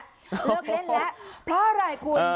เริ่มเล่นแล้วเพราะอะไรคุณ